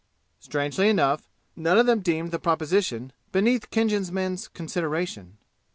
Strangely enough, none of them deemed the proposition beneath Khinjan men's consideration.